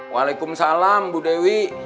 waalaikumsalam bu dewi